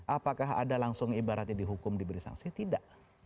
apakah ada langsung ibaratnya dihukum diberi sanksi tidak